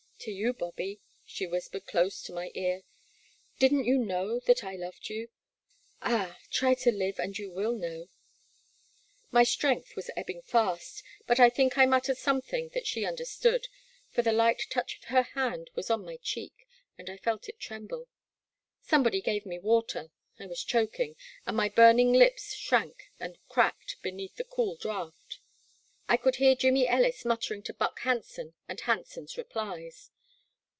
To you, Bobby, she whispered close to my ear, did n't you know that I loved you ? Ah, try to live and you will know !My strength was ebbing fast, but I think I muttered something that she understood, for the light touch of her hand was on my cheek, and I felt it tremble. Somebody gave me water, — I was choking,— and my burning lips shrank and cracked beneath the cool draught. I could hear Jimmy Ellis muttering to Buck Hanson, and Hanson's replies.